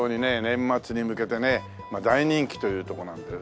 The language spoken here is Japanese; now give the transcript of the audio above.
年末に向けてね大人気というとこなんで。